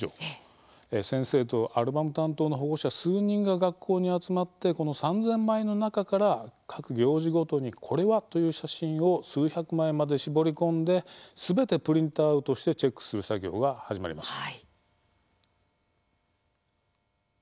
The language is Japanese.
先生とアルバム担当の保護者数人が学校に集まってこの３０００枚の中から各行事ごとにこれは、という写真を数百枚まで絞り込んですべてプリントアウトしてチェックする作業が始まります。